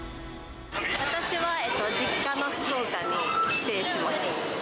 私は実家の福岡に帰省します。